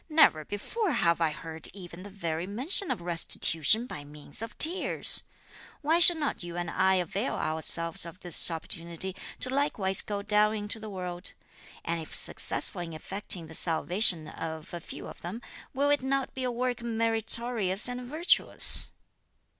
"Never before have I heard even the very mention of restitution by means of tears! Why should not you and I avail ourselves of this opportunity to likewise go down into the world? and if successful in effecting the salvation of a few of them, will it not be a work meritorious and virtuous?"